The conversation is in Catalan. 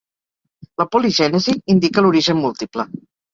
La poligènesi indica l'origen múltiple.